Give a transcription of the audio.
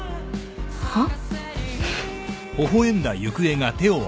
はっ？